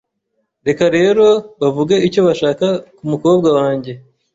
Reka rero bavuge icyo bashaka kumukobwa wange